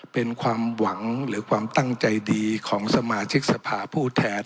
เป็นความหวังหรือความตั้งใจดีของสมาชิกสภาผู้แทน